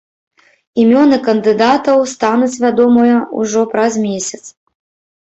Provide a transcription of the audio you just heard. Імёны кандыдатаў стануць вядомыя ужо праз месяц.